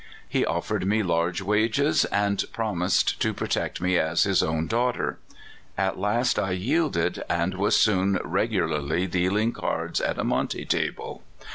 He offered me large wages, and prom ised to protect me as his own daughter. At last I yielded, and was soon regularly dealing cards at a monte table.